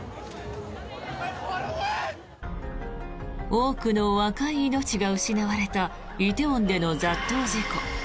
多くの若い命が失われた梨泰院での雑踏事故。